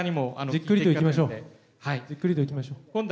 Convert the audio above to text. じっくりといきましょう。